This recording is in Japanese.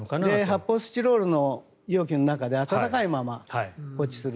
発泡スチロールの容器の中で温かいまま放置する。